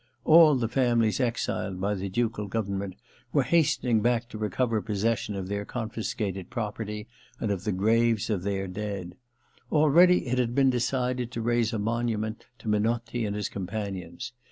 All the families exiled by the ducal government were hastening back to re cover possession of their confiscated property and of the graves of their dead. Already it had been decided to raise a monument to Menotti and his companions.